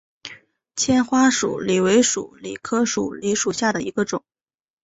纤花鼠李为鼠李科鼠李属下的一个种。